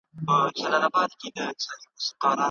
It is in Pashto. هغوی به خلاصون حاصل کړي.